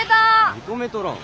認めとらん。